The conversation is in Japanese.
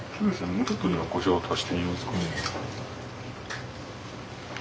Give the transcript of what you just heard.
もうちょっとじゃあこしょう足してみますか。